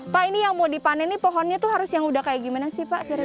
pak ini yang mau dipanen nih pohonnya tuh harus yang udah kayak gimana sih pak